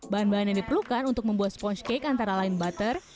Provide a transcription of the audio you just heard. bahan bahan yang diperlukan untuk membuat sponge cake antara lain butter